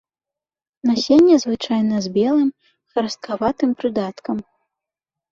Насенне звычайна з белым храсткаватым прыдаткам.